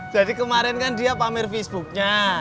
jadi kemarin kan dia pamer facebooknya